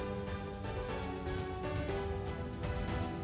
terima kasih pak